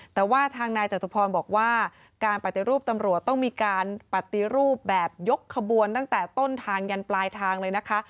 แต่ว่าทางนายจตุพรบอกว่าการปฏิรูปตำรวจต้องมีการปฏิรูปแบบยกขบวนตั้งแต่ต้นทางยันปลายทางเลยนะคะ